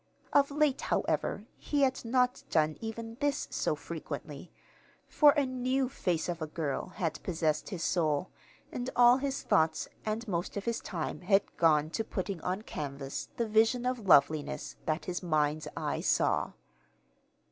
Of late, however, he had not done even this so frequently, for a new "Face of a Girl" had possessed his soul; and all his thoughts and most of his time had gone to putting on canvas the vision of loveliness that his mind's eye saw.